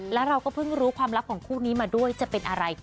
แล้วเราก็เพิ่งรู้ความลับของคู่นี้มาด้วยจะเป็นอะไร